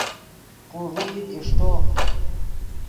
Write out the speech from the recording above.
کو ڤئیت اݰٹو